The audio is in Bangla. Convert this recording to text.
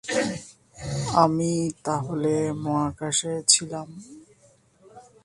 আমি তাহলে মহাকাশে ছিলাম।